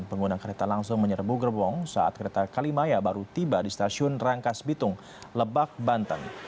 pengguna kereta langsung menyerbu gerbong saat kereta kalimaya baru tiba di stasiun rangkas bitung lebak banten